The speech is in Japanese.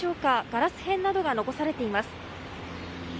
ガラス片などが残されています。